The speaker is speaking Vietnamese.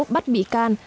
bắt bị can